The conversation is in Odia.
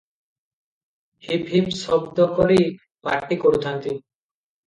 ହିପ୍ ହିପ୍ ଶବଦ କରି ପାଟି କରୁଥାନ୍ତି ।